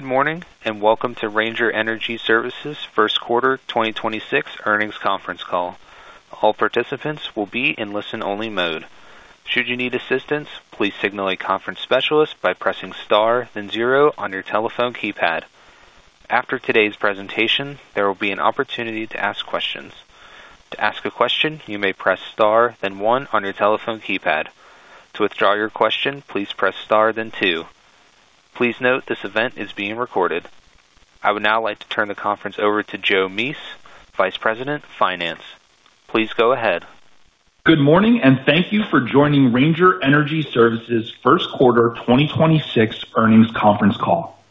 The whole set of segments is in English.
Good morning, welcome to Ranger Energy Services first quarter 2026 earnings conference call. All participants will be in listen-only mode. Should you need assistance, please signal a conference specialist by pressing star, then zero on your telephone keypad. After today's presentation, there will be an opportunity to ask questions. To ask a question, you may press star, then one on your telephone keypad. To withdraw your question, please press star then two. Please note this event is being recorded. I would now like to turn the conference over to Joe Mease, Vice President of Finance. Please go ahead. Good morning. Thank you for joining Ranger Energy Services first quarter 2026 earnings conference call.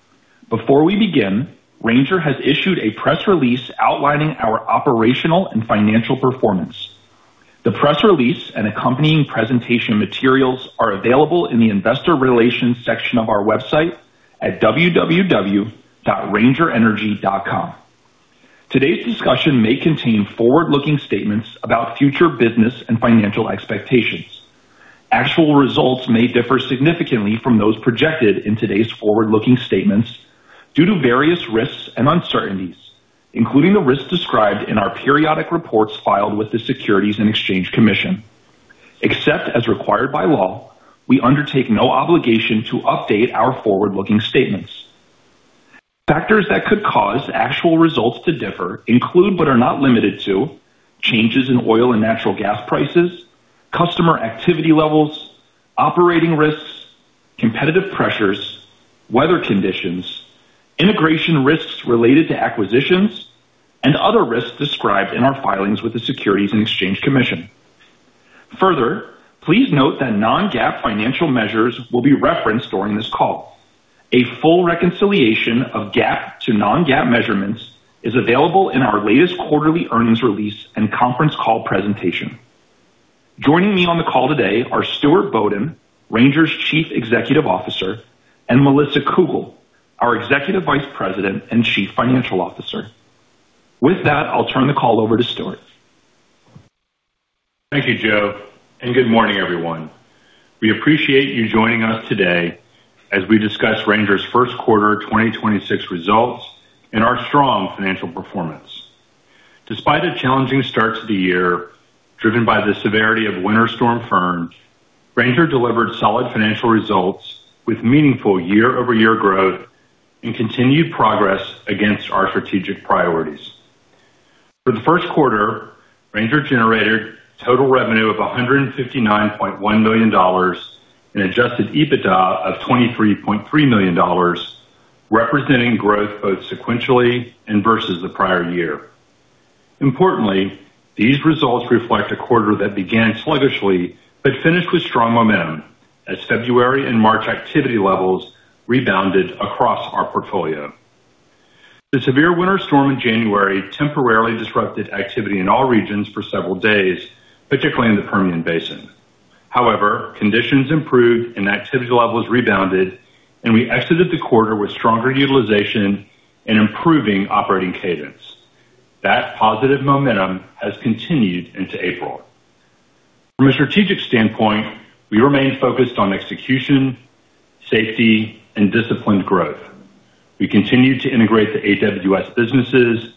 Before we begin, Ranger has issued a press release outlining our operational and financial performance. The press release and accompanying presentation materials are available in the investor relations section of our website at www.rangerenergy.com. Today's discussion may contain forward-looking statements about future business and financial expectations. Actual results may differ significantly from those projected in today's forward-looking statements due to various risks and uncertainties, including the risks described in our periodic reports filed with the Securities and Exchange Commission. Except as required by law, we undertake no obligation to update our forward-looking statements. Factors that could cause actual results to differ include, but are not limited to, changes in oil and natural gas prices, customer activity levels, operating risks, competitive pressures, weather conditions, integration risks related to acquisitions, and other risks described in our filings with the Securities and Exchange Commission. Please note that non-GAAP financial measures will be referenced during this call. A full reconciliation of GAAP to non-GAAP measurements is available in our latest quarterly earnings release and conference call presentation. Joining me on the call today are Stuart Bodden, Ranger's Chief Executive Officer, and Melissa Cougle, our Executive Vice President and Chief Financial Officer. With that, I'll turn the call over to Stuart. Thank you, Joe, and good morning, everyone. We appreciate you joining us today as we discuss Ranger's first quarter 2026 results and our strong financial performance. Despite a challenging start to the year, driven by the severity of Winter Storm Fern, Ranger delivered solid financial results with meaningful year-over-year growth and continued progress against our strategic priorities. For the first quarter, Ranger generated total revenue of $159.1 million and adjusted EBITDA of $23.3 million, representing growth both sequentially and versus the prior year. Importantly, these results reflect a quarter that began sluggishly but finished with strong momentum as February and March activity levels rebounded across our portfolio. The severe winter storm in January temporarily disrupted activity in all regions for several days, particularly in the Permian Basin. However, conditions improved and activity levels rebounded, and we exited the quarter with stronger utilization and improving operating cadence. That positive momentum has continued into April. From a strategic standpoint, we remain focused on execution, safety, and disciplined growth. We continue to integrate the AWS businesses,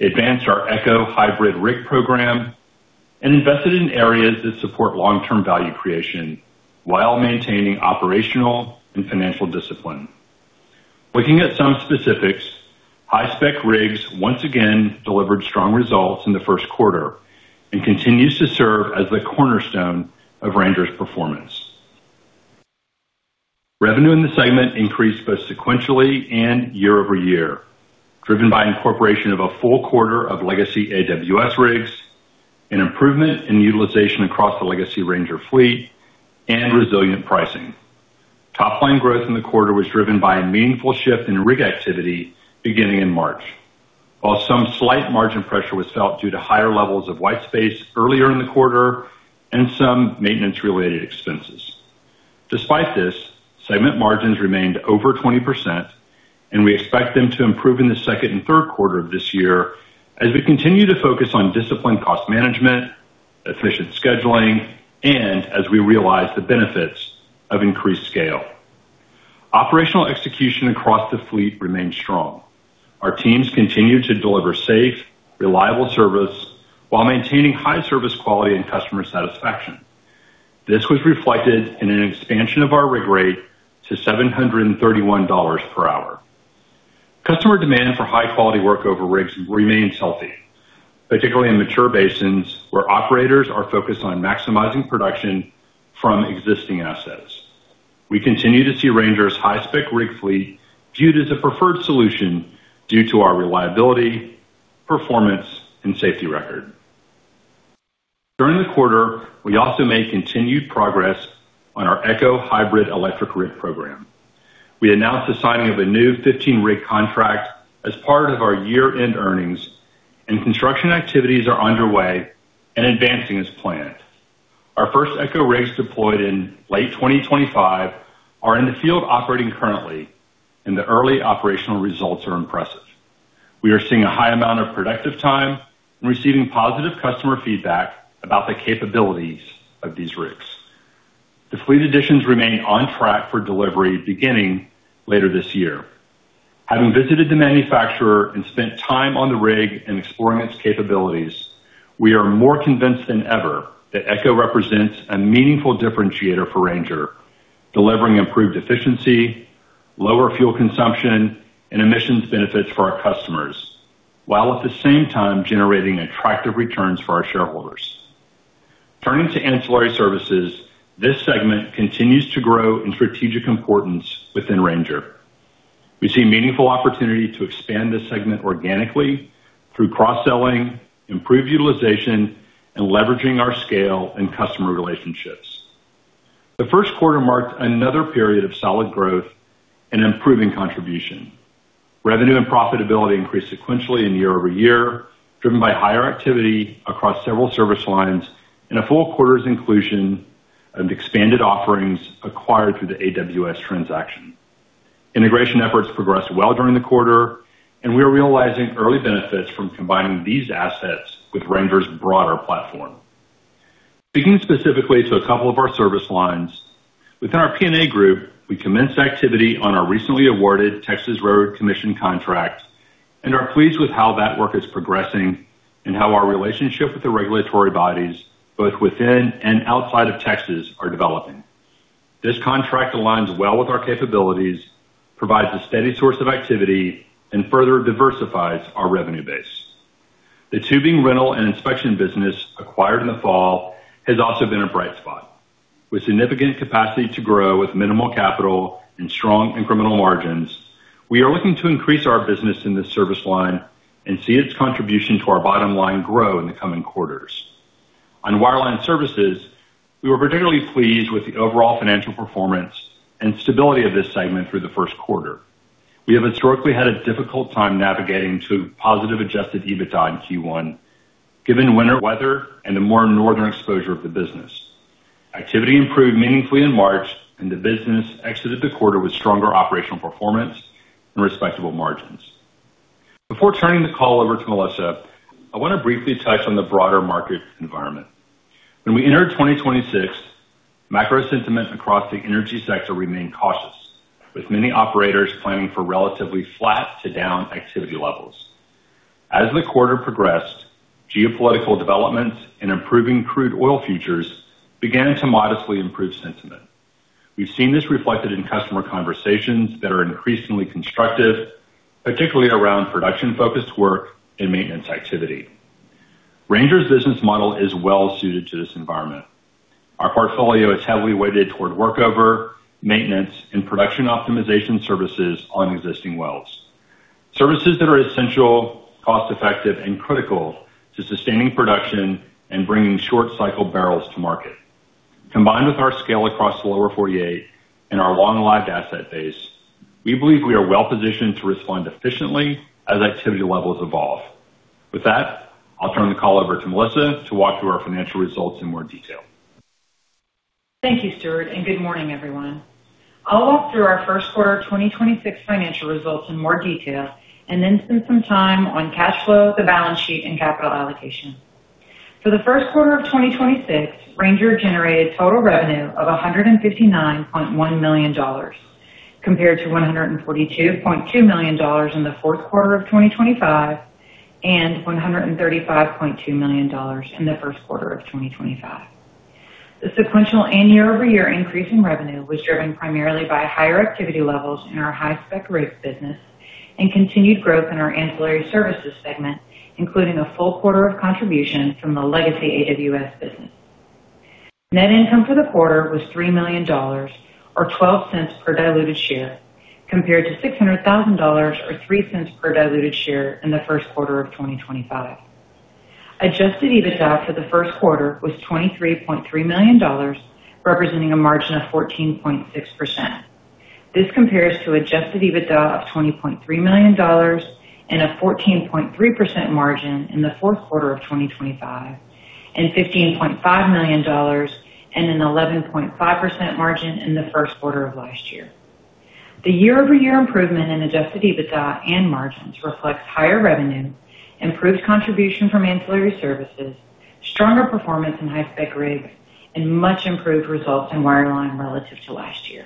advance our ECHO hybrid rig program, and invested in areas that support long-term value creation while maintaining operational and financial discipline. Looking at some specifics, high-spec rigs once again delivered strong results in the first quarter and continues to serve as the cornerstone of Ranger's performance. Revenue in the segment increased both sequentially and year-over-year, driven by incorporation of a full quarter of legacy AWS rigs, an improvement in utilization across the legacy Ranger fleet, and resilient pricing. Topline growth in the quarter was driven by a meaningful shift in rig activity beginning in March. While some slight margin pressure was felt due to higher levels of white space earlier in the quarter and some maintenance-related expenses. Despite this, segment margins remained over 20%, We expect them to improve in the 2nd and 3rd quarter of this year as we continue to focus on disciplined cost management, efficient scheduling, and as we realize the benefits of increased scale. Operational execution across the fleet remains strong. Our teams continue to deliver safe, reliable service while maintaining high service quality and customer satisfaction this was reflected in an expansion of our rig rate to $731 per hour. Customer demand for high-quality workover rigs remains healthy, particularly in mature basins where operators are focused on maximizing production from existing assets. We continue to see Ranger's high-spec rig fleet viewed as a preferred solution due to our reliability, performance, and safety record. During the quarter, we also made continued progress on our ECHO hybrid electric rig program. We announced the signing of a new 15-rig contract as part of our year-end earnings and construction activities are underway and advancing as planned. Our first ECHO rigs deployed in late 2025 are in the field operating currently. The early operational results are impressive. We are seeing a high amount of productive time and receiving positive customer feedback about the capabilities of these rigs. The fleet additions remain on track for delivery beginning later this year. Having visited the manufacturer and spent time on the rig and exploring its capabilities, we are more convinced than ever that ECHO represents a meaningful differentiator for Ranger, delivering improved efficiency, lower fuel consumption, and emissions benefits for our customers, while at the same time generating attractive returns for our shareholders. Turning to ancillary services, this segment continues to grow in strategic importance within Ranger. We see meaningful opportunity to expand this segment organically through cross-selling, improved utilization, and leveraging our scale and customer relationships. The first quarter marked another period of solid growth and improving contribution. Revenue and profitability increased sequentially and year-over-year, driven by higher activity across several service lines in a full quarter's inclusion and expanded offerings acquired through the AWS transaction. Integration efforts progressed well during the quarter, and we are realizing early benefits from combining these assets with Ranger's broader platform. Speaking specifically to a couple of our service lines, within our P&A group, we commenced activity on our recently awarded Texas Railroad Commission contract and are pleased with how that work is progressing and how our relationship with the regulatory bodies, both within and outside of Texas, are developing. This contract aligns well with our capabilities, provides a steady source of activity, and further diversifies our revenue base. The tubing, rental, and inspection business acquired in the fall has also been a bright spot. With significant capacity to grow with minimal capital and strong incremental margins, we are looking to increase our business in this service line and see its contribution to our bottom line grow in the coming quarters. On wireline services, we were particularly pleased with the overall financial performance and stability of this segment through the first quarter. We have historically had a difficult time navigating to positive adjusted EBITDA in Q1, given winter weather and the more northern exposure of the business. Activity improved meaningfully in March, and the business exited the quarter with stronger operational performance and respectable margins. Before turning the call over to Melissa, I wanna briefly touch on the broader market environment. When we entered 2026, macro sentiment across the energy sector remained cautious, with many operators planning for relatively flat to down activity levels. As the quarter progressed, geopolitical developments and improving crude oil futures began to modestly improve sentiment. We've seen this reflected in customer conversations that are increasingly constructive, particularly around production-focused work and maintenance activity. Ranger's business model is well-suited to this environment. Our portfolio is heavily weighted toward workover, maintenance, and production optimization services on existing wells. Services that are essential, cost-effective, and critical to sustaining production and bringing short-cycle barrels to market. Combined with our scale across the lower 48 and our long-lived asset base, we believe we are well-positioned to respond efficiently as activity levels evolve. With that, I'll turn the call over to Melissa to walk through our financial results in more detail. Thank you, Stuart, and good morning, everyone. I'll walk through our first quarter of 2026 financial results in more detail and then spend some time on cash flow, the balance sheet, and capital allocation. For the first quarter of 2026, Ranger generated total revenue of $159.1 million, compared to $142.2 million in the fourth quarter of 2025 and $135.2 million in the first quarter of 2025. The sequential and year-over-year increase in revenue was driven primarily by higher activity levels in our high-spec rigs business and continued growth in our ancillary services segment, including a full quarter of contribution from the legacy AWS business. Net income for the quarter was $3 million or $0.12 per diluted share, compared to $600,000 or $0.03 per diluted share in the first quarter of 2025. Adjusted EBITDA for the first quarter was $23.3 million, representing a margin of 14.6%. This compares to adjusted EBITDA of $20.3 million and a 14.3% margin in the fourth quarter of 2025, and $15.5 million and an 11.5% margin in the first quarter of last year. The year-over-year improvement in adjusted EBITDA and margins reflects higher revenue, improved contribution from ancillary services, stronger performance in high-spec rigs, and much improved results in wireline relative to last year.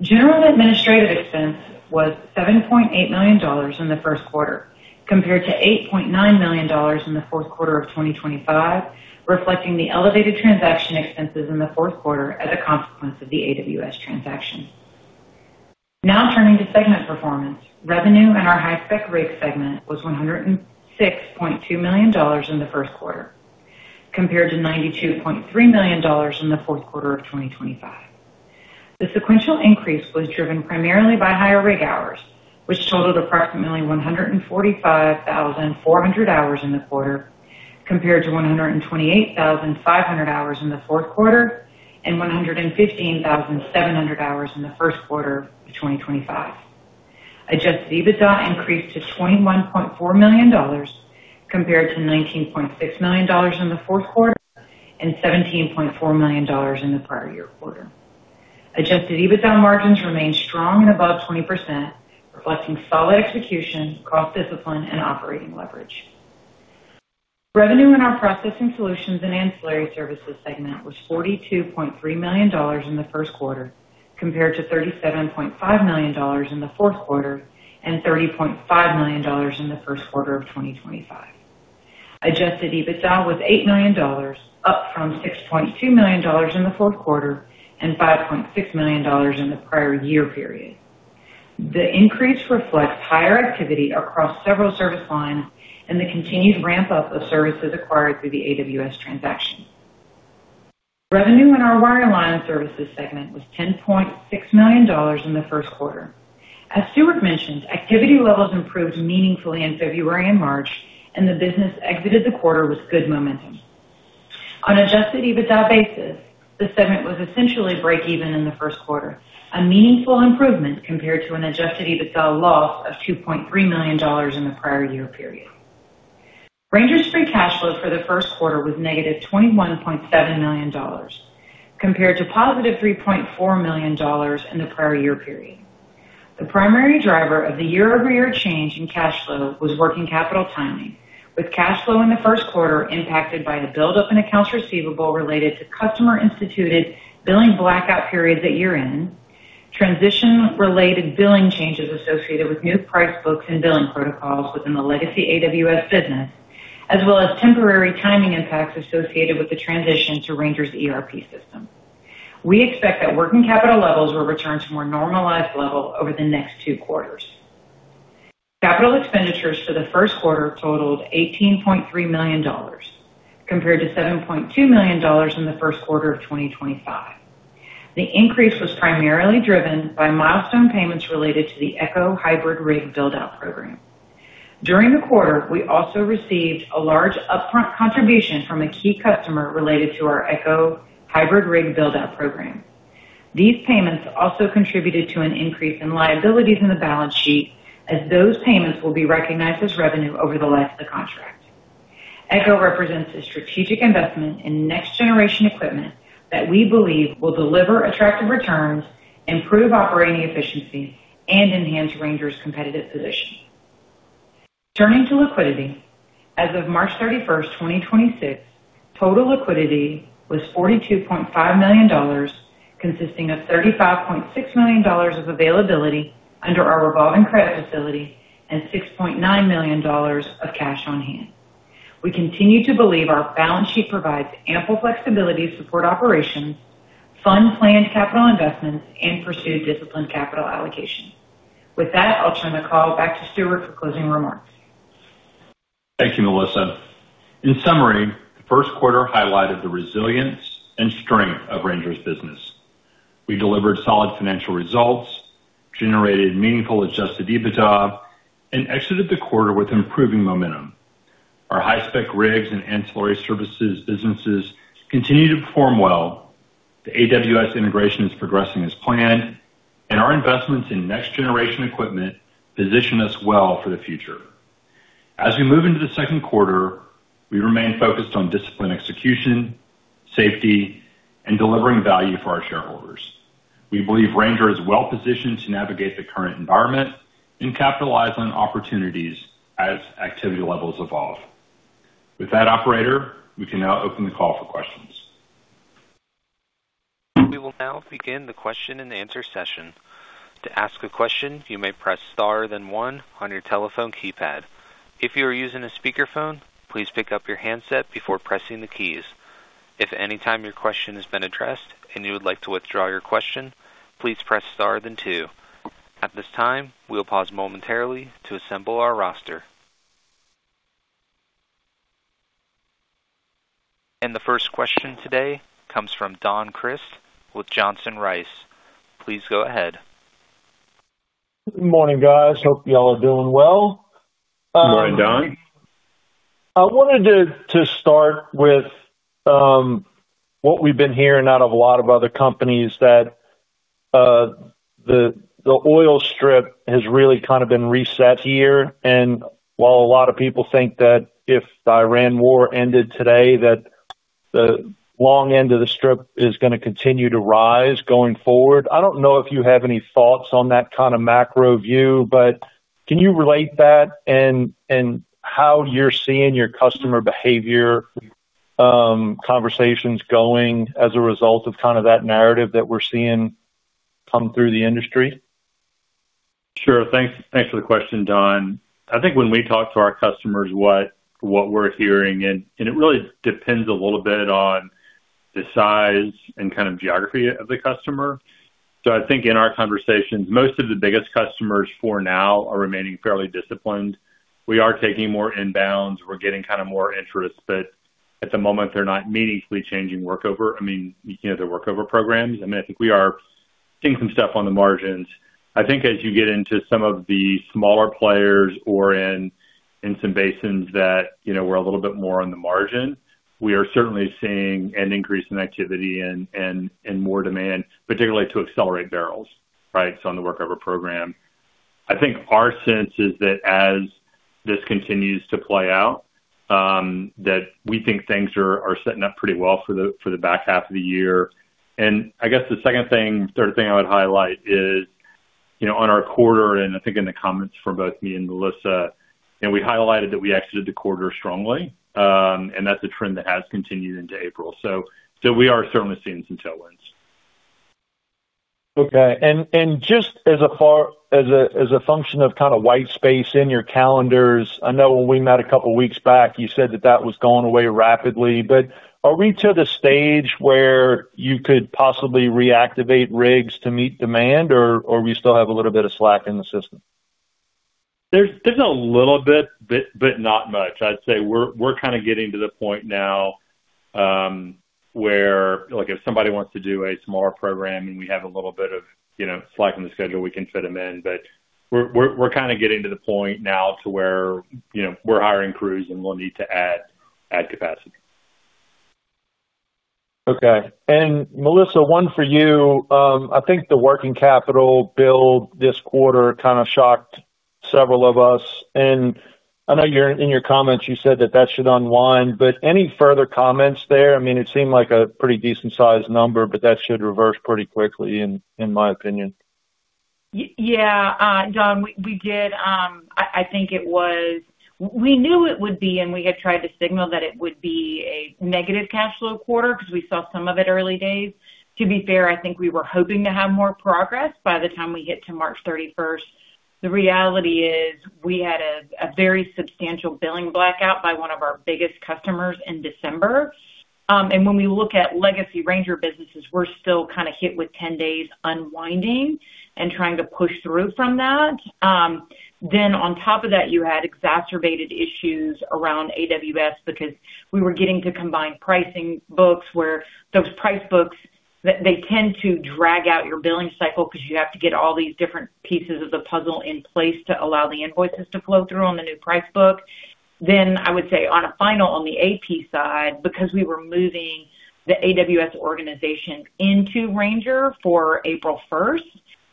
General and administrative expense was $7.8 million in the first quarter, compared to $8.9 million in the fourth quarter of 2025, reflecting the elevated transaction expenses in the fourth quarter as a consequence of the AWS transaction. Turning to segment performance, revenue in our high-spec rig segment was $106.2 million in the first quarter, compared to $92.3 million in the fourth quarter of 2025. The sequential increase was driven primarily by higher rig hours, which totaled approximately 145,400 hours in the quarter, compared to 128,500 hours in the fourth quarter and 115,700 hours in the first quarter of 2025. Adjusted EBITDA increased to $21.4 million compared to $19.6 million in the fourth quarter and $17.4 million in the prior year quarter. Adjusted EBITDA margins remain strong and above 20%, reflecting solid execution, cost discipline, and operating leverage. Revenue in our processing solutions and ancillary services segment was $42.3 million in the first quarter compared to $37.5 million in the fourth quarter and $30.5 million in the first quarter of 2025. Adjusted EBITDA was $8 million, up from $6.2 million in the fourth quarter and $5.6 million in the prior year period. The increase reflects higher activity across several service lines and the continued ramp up of services acquired through the AWS transaction. Revenue in our wireline services segment was $10.6 million in the first quarter. As Stuart mentioned, activity levels improved meaningfully in February and March, and the business exited the quarter with good momentum. On adjusted EBITDA basis, the segment was essentially break even in the first quarter, a meaningful improvement compared to an adjusted EBITDA loss of $2.3 million in the prior year period. Ranger Energy Services' free cash flow for the first quarter was -$21.7 million compared to positive $3.4 million in the prior year period. The primary driver of the year-over-year change in cash flow was working capital timing, with cash flow in the first quarter impacted by the build-up in accounts receivable related to customer-instituted billing blackout periods at year-end, transition-related billing changes associated with new price books and billing protocols within the legacy AWS business, as well as temporary timing impacts associated with the transition to Ranger's ERP system. We expect that working capital levels will return to more normalized level over the next two quarters. Capital expenditures for the first quarter totaled $18.3 million compared to $7.2 million in the first quarter of 2025. The increase was primarily driven by milestone payments related to the ECHO hybrid rig build-out program. During the quarter, we also received a large upfront contribution from a key customer related to our ECHO hybrid rig build-out program. These payments also contributed to an increase in liabilities in the balance sheet as those payments will be recognized as revenue over the life of the contract. ECHO represents a strategic investment in next-generation equipment that we believe will deliver attractive returns, improve operating efficiency, and enhance Ranger's competitive position. Turning to liquidity, as of March 31st, 2026, total liquidity was $42.5 million, consisting of $35.6 million of availability under our revolving credit facility and $6.9 million of cash on hand. We continue to believe our balance sheet provides ample flexibility to support operations, fund planned capital investments, and pursue disciplined capital allocation. With that, I'll turn the call back to Stuart for closing remarks. Thank you, Melissa. In summary, first quarter highlighted the resilience and strength of Ranger's business. We delivered solid financial results, generated meaningful adjusted EBITDA, and exited the quarter with improving momentum. Our high-spec rigs and ancillary services businesses continue to perform well. The AWS integration is progressing as planned, and our investments in next-generation equipment position us well for the future. As we move into the second quarter, we remain focused on disciplined execution, safety, and delivering value for our shareholders. We believe Ranger is well positioned to navigate the current environment and capitalize on opportunities as activity levels evolve. With that, operator, we can now open the call for questions. We will now begin the question-and-answer session. To ask a question, you may press star then one on your telephone keypad. If you are using a speakerphone, please pick up your handset before pressing the keys. If any time your question has been addressed and you would like to withdraw your question, please press star then two. At this time, we will pause momentarily to assemble our roster. The first question today comes from Don Crist with Johnson Rice. Please go ahead. Morning, guys. Hope you all are doing well. Good morning, Don. I wanted to start with what we've been hearing out of a lot of other companies that the oil strip has really kind of been reset here. While a lot of people think that if the Iran war ended today, that the long end of the strip is gonna continue to rise going forward. I don't know if you have any thoughts on that kind of macro view, can you relate that and how you're seeing your customer behavior conversations going as a result of kind of that narrative that we're seeing come through the industry? Sure. Thanks, thanks for the question, Don Crist. I think when we talk to our customers, what we're hearing and it really depends a little bit on the size and kind of geography of the customer. I think in our conversations, most of the biggest customers for now are remaining fairly disciplined. We are taking more inbounds we're getting kind of more interest, but at the moment, they're not meaningfully changing workover, I mean, you know, the workover programs. I mean, I think we are seeing some stuff on the margins. I think as you get into some of the smaller players or in some basins that, you know, we're a little bit more on the margin, we are certainly seeing an increase in activity and more demand, particularly to accelerate barrels, right? On the workover program. I think our sense is that as this continues to play out, that we think things are setting up pretty well for the back half of the year. I guess the second thing, third thing I would highlight is on our quarter, and I think in the comments from both me and Melissa, and we highlighted that we exited the quarter strongly, and that's a trend that has continued into April we are certainly seeing some tailwinds. Okay. Just as a function of kind of white space in your calendars, I know when we met a couple weeks back, you said that that was going away rapidly. Are we to the stage where you could possibly reactivate rigs to meet demand or we still have a little bit of slack in the system? There's a little bit, but not much. I'd say we're kind of getting to the point now, where, like, if somebody wants to do a smaller program, and we have a little bit of, you know, slack in the schedule, we can fit them in. We're kind of getting to the point now to where, you know, we're hiring crews, and we'll need to add capacity. Okay. Melissa, one for you. I think the working capital build this quarter kind of shocked several of us, I know in your comments, you said that that should unwind, but any further comments there? I mean, it seemed like a pretty decent-sized number, but that should reverse pretty quickly in my opinion. Yeah, John, we did. I think we knew it would be, and we had tried to signal that it would be a negative cash flow quarter because we saw some of it early days. To be fair, I think we were hoping to have more progress by the time we get to March 31st. The reality is we had a very substantial billing blackout by one of our biggest customers in December. When we look at legacy Ranger businesses, we're still kind of hit with 10 days unwinding and trying to push through from that. On top of that, you had exacerbated issues around AWS because we were getting to combine pricing books where those price books, they tend to drag out your billing cycle because you have to get all these different pieces of the puzzle in place to allow the invoices to flow through on the new price book. I would say on the AP side, because we were moving the AWS organization into Ranger for April 1st,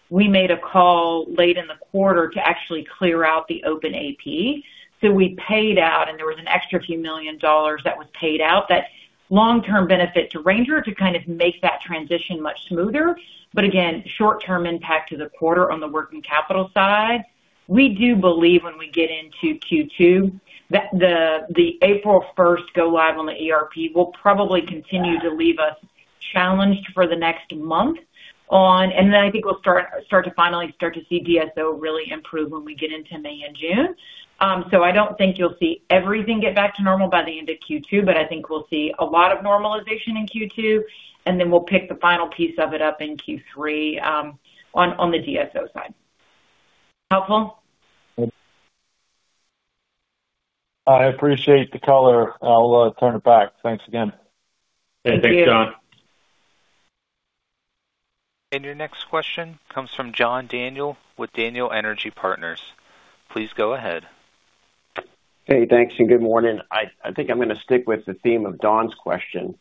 we made a call late in the quarter to actually clear out the open AP. We paid out and there was an extra few million dollars that was paid out. That's long-term benefit to Ranger to kind of make that transition much smoother. Again, short-term impact to the quarter on the working capital side. We do believe when we get into Q2, that the April 1st go live on the ERP will probably continue to leave us challenged for the next month. Then I think we'll start to finally start to see DSO really improve when we get into May and June. I don't think you'll see everything get back to normal by the end of Q2, but I think we'll see a lot of normalization in Q2, and then we'll pick the final piece of it up in Q3 on the DSO side. Helpful? I appreciate the color. I'll turn it back. Thanks again. Yeah, thanks, John. Thank you. Your next question comes from John Daniel with Daniel Energy Partners. Please go ahead. Hey, thanks. Good morning. I think I'm gonna stick with the theme of Don's question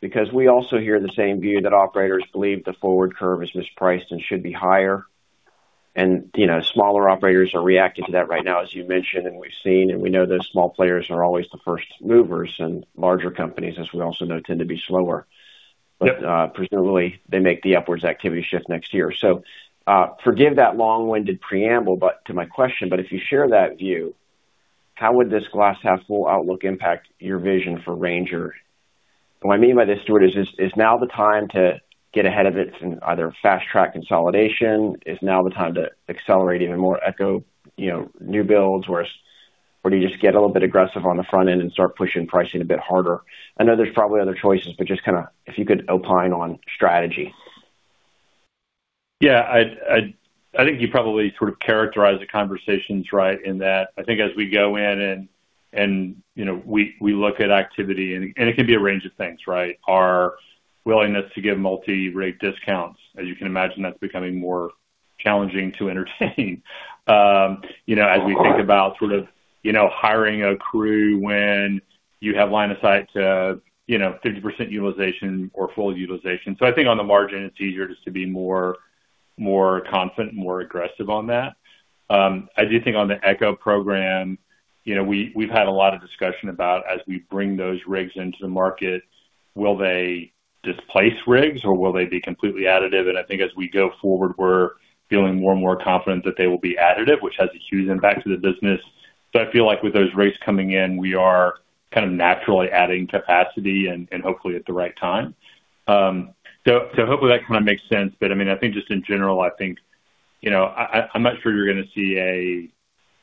because we also hear the same view that operators believe the forward curve is mispriced and should be higher. You know, smaller operators are reacting to that right now, as you mentioned, and we've seen, and we know that small players are always the first movers, and larger companies, as we also know, tend to be slower. Yep. Presumably, they make the upwards activity shift next year. Forgive that long-winded preamble, to my question, if you share that view, how would this glass half full outlook impact your vision for Ranger? What I mean by this, Stuart, is now the time to get ahead of it and either fast track consolidation? Is now the time to accelerate even more ECHO, you know, new builds, or do you just get a little bit aggressive on the front end and start pushing pricing a bit harder? I know there's probably other choices, but just kind of if you could opine on strategy. Yeah. I think you probably sort of characterized the conversations right in that I think as we go in and, you know, we look at activity and it can be a range of things, right? Our willingness to give multi-rate discounts. As you can imagine, that's becoming more challenging to entertain. You know, as we think about sort of, you know, hiring a crew when you have line of sight to, you know, 30% utilization or full utilization. I think on the margin, it's easier just to be more confident, more aggressive on that. I do think on the ECHO program, you know, we've had a lot of discussion about as we bring those rigs into the market, will they displace rigs or will they be completely additive? I think as we go forward, we're feeling more and more confident that they will be additive, which has a huge impact to the business. I feel like with those rates coming in we are kind of naturally adding capacity and hopefully at the right time. Hopefully that kind of makes sense. I mean, I think just in general, I think, you know, I'm not sure you're gonna see a,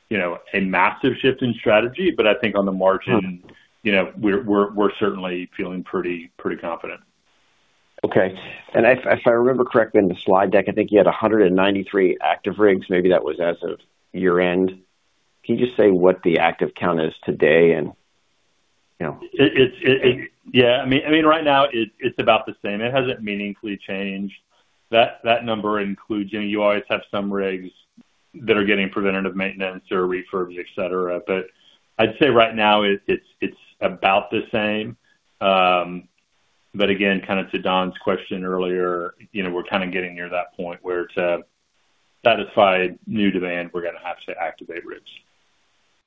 you know, a massive shift in strategy, but I think on the margin. Uh-huh You know, we're certainly feeling pretty confident. Okay. If I remember correctly in the slide deck, I think you had 193 active rigs maybe that was as of year-end. Can you just say what the active count is today and, you know? It, yeah. I mean, right now it's about the same. It hasn't meaningfully changed that number includes, you know, you always have some rigs that are getting preventative maintenance or refurbs, et cetera. I'd say right now it's about the same. Again, kind of to Don's question earlier, you know, we're kind of getting near that point where to satisfy new demand, we're gonna have to activate rigs.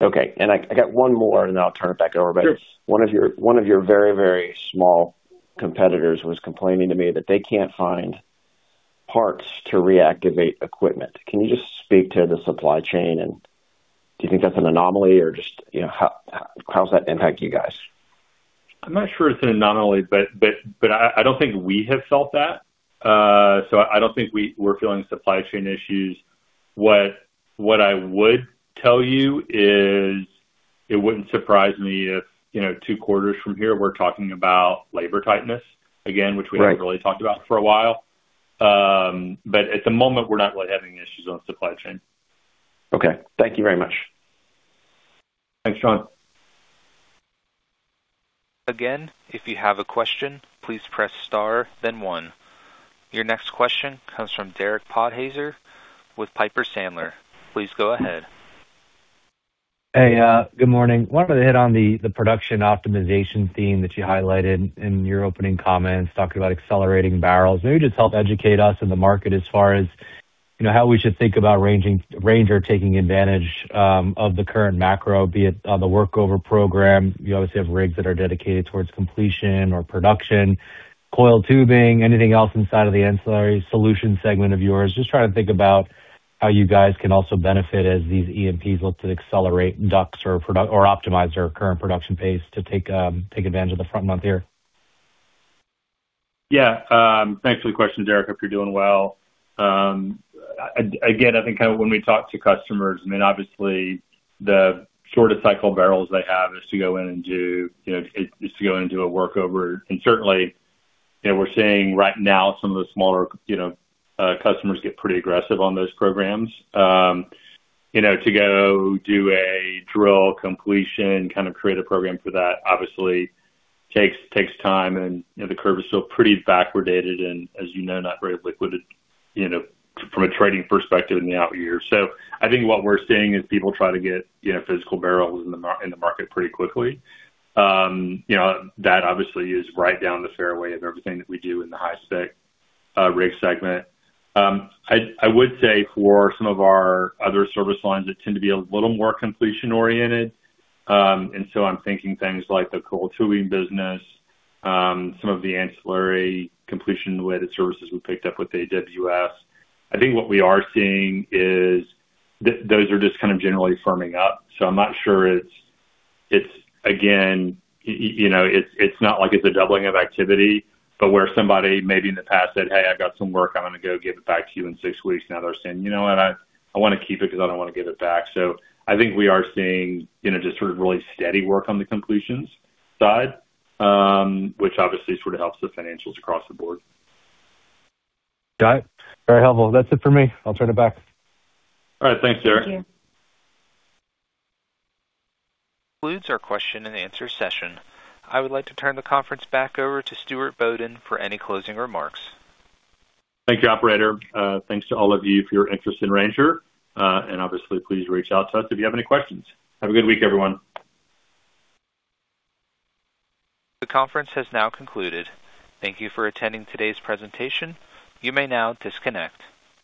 Okay. I got one more, and then I'll turn it back over. Sure. One of your very, very small competitors was complaining to me that they can't find parts to reactivate equipment. Can you just speak to the supply chain? Do you think that's an anomaly or just, you know, how does that impact you guys? I'm not sure it's an anomaly, but I don't think we have felt that. I don't think we're feeling supply chain issues. What I would tell you is it wouldn't surprise me if, you know, two quarters from here we're talking about labor tightness again. Right. which we haven't really talked about for a while. At the moment, we're not really having issues on supply chain. Okay. Thank you very much. Thanks, John Daniel. Again, if you have a question, please press star then one. Your next question comes from Derek Podhaizer with Piper Sandler. Please go ahead. Hey, good morning. Wanted to hit on the production optimization theme that you highlighted in your opening comments, talking about accelerating barrels. Maybe just help educate us and the market as far as, you know, how we should think about Ranger taking advantage of the current macro, be it on the workover program. You obviously have rigs that are dedicated towards completion or production, Coiled tubing, anything else inside of the ancillary services segment of yours. Just trying to think about how you guys can also benefit as these EMPs look to accelerate ducts or optimize their current production pace to take advantage of the front month here. Yeah. Thanks for the question, Derek. Hope you're doing well. Again, I think kind of when we talk to customers, I mean, obviously the shorter cycle barrels they have is to go in and do, you know, to go in and do a workover. Certainly, you know, we're seeing right now some of the smaller, you know, customers get pretty aggressive on those programs. You know, to go do a drill completion, kind of create a program for that obviously takes time and, you know, the curve is still pretty backwardated and as you know, not very liquid, you know, from a trading perspective in the out year. I think what we're seeing is people try to get, you know, physical barrels in the market pretty quickly. You know, that obviously is right down the fairway of everything that we do in the high-spec rig segment. I would say for some of our other service lines that tend to be a little more completion-oriented, and so I'm thinking things like the [Coil] Tubing business, some of the ancillary completion-related services we picked up with AWS. I think what we are seeing is those are just kind of generally firming up. I'm not sure it's again, you know, it's not like it's a doubling of activity, but where somebody maybe in the past said, "Hey, I've got some work. I'm gonna go give it back to you in six weeks." Now they're saying, "You know what? I wanna keep it because I don't wanna give it back." I think we are seeing, you know, just sort of really steady work on the completions side, which obviously sort of helps the financials across the board. Got it. Very helpful. That's it for me. I'll turn it back. All right. Thanks, Derek. Thank you. Concludes our question and answer session. I would like to turn the conference back over to Stuart Bodden for any closing remarks. Thank you, operator. Thanks to all of you for your interest in Ranger. Obviously, please reach out to us if you have any questions. Have a good week, everyone. The conference has now concluded. Thank you for attending today's presentation. You may now disconnect.